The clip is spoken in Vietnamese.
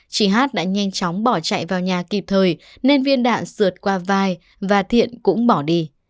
chị hát đã nhanh chóng bỏ chạy vào nhà kịp thời nên viên đạn sượt qua vai và thiện cũng bỏ đi